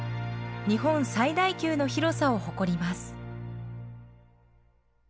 日本最大級の広さを誇ります。